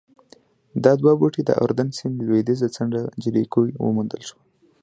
دا دوه بوټي د اردن سیند لوېدیځه څنډه جریکو کې وموندل شول